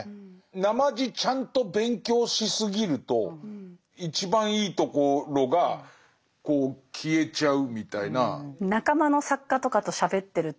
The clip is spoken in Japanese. なまじちゃんと勉強しすぎると一番いいところがこう消えちゃうみたいな。